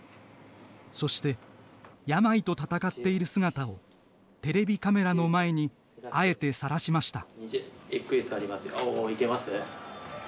そして病と闘っている姿をテレビカメラの前にあえてさらしました。